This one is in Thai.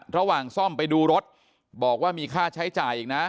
ระหว่างซ่อมไปดูรถบอกว่ามีค่าใช้จ่ายอีกนะ